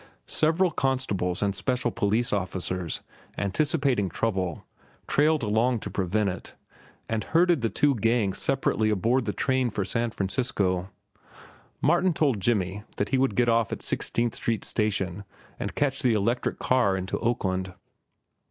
Several constables and special police officers, anticipating trouble, trailed along to prevent it, and herded the two gangs separately aboard the train for San Francisco. Martin told Jimmy that he would get off at Sixteenth Street Station and catch the electric car into Oakland.